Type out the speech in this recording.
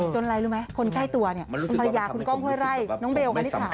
อะไรรู้ไหมคนใกล้ตัวเนี่ยคุณภรรยาคุณก้องห้วยไร่น้องเบลคณิสา